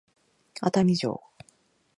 熱海城